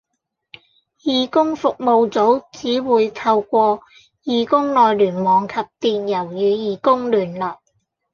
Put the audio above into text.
義工服務組只會透過義工內聯網及電郵與義工聯絡